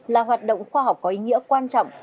là hoạt động khoa học có ý nghĩa quan trọng